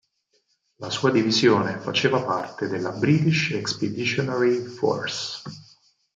La sua divisione faceva parte della British Expeditionary Force.